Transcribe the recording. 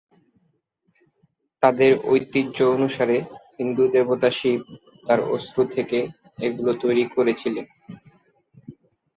তাদের ঐতিহ্য অনুসারে, হিন্দু দেবতা শিব তাঁর অশ্রু থেকে এগুলি তৈরি করেছিলেন।